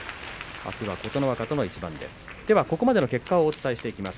あすは琴ノ若との一番です。